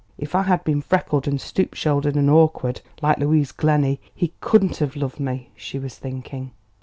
"If I had been freckled and stoop shouldered and awkward, like Louise Glenny, he couldn't have loved me," she was thinking.